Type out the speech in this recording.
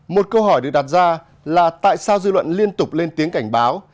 một câu hỏi được đặt ra là tại sao dư luận liên tục lên tiếng cảnh báo